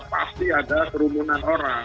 pasti ada kerumunan orang